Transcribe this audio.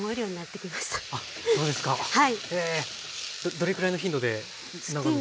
どれくらいの頻度で長野に行かれるんですか？